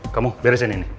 kamu beresin ini